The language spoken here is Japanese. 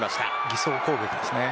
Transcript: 偽装攻撃です。